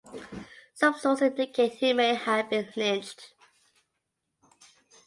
Some sources indicate he may have been lynched.